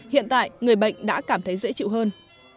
hiện tại người bệnh đã cảm thấy dễ chịu hơn